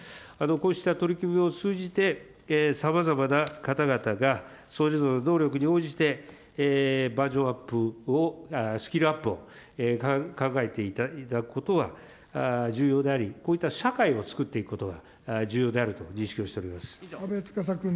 こうした取り組みを通じて、さまざまな方々がそれぞれの能力に応じて、バージョンアップを、スキルアップを考えていただくことは重要であり、こういった社会をつくっていくことが重要であると認識をしており阿部司君。